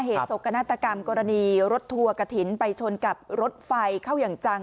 เหตุศักดิ์นตรกรรมกรณีรถทัวกะถิ่นไปชนกับรถไฟเข้าอย่างจัง